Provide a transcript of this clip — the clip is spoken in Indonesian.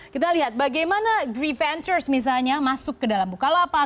kita lihat bagaimana gree ventures misalnya masuk ke dalam bukalapak